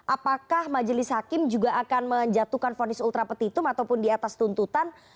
apakah majelis hakim juga akan menjatuhkan fonis ultra petitum ataupun di atas tuntutan